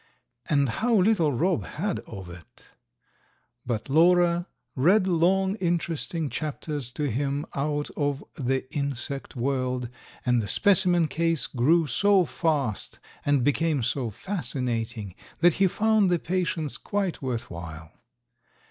And how little Rob had of it! But Lora read long, interesting chapters to him out of "The Insect World," and the specimen case grew so fast and became so fascinating that he found the patience quite worth while.